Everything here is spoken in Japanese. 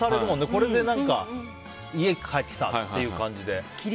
これで家帰ってきたって感じで。